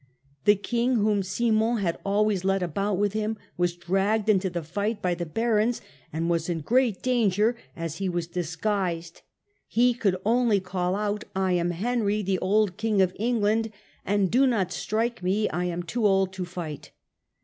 The king, whom Simon had always led about with him, was draped into the fight by the barons, and was in great danger, as he was disguised. He could only call out " I am Henry, the old king of England", and "Do not strike me, I am too old to fight".